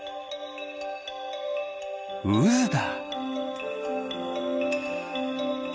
うずだ。